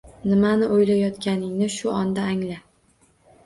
Nimani o’ylayotganingni shu onda angla.